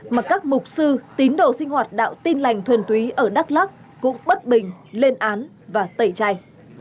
mà các mục sư tín đồ sinh hoạt đạo tin lành thuần túy ở đắk lắc cũng bất bình lên án và tẩy chay